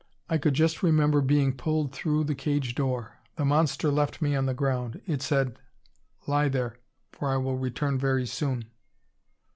I could just remember being pulled through the cage door. The monster left me on the ground. It said, 'Lie there, for I will return very soon.'